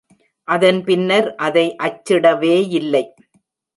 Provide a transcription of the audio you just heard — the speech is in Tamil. அதன் பின்னர் அதை அச்சிடவேயில்லை.